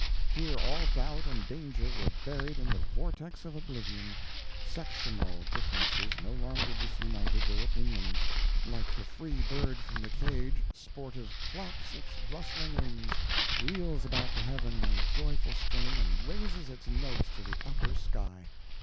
Here all doubt and danger were buried in the vortex of oblivion; sectional differences no longer disunited their opinions; like the freed bird from the cage, sportive claps its rustling wings, wheels about to heaven in a joyful strain, and raises its notes to the upper sky.